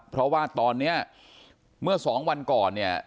เพราะว่าตอนนี้เมื่อสองวันก่อนเนี่ย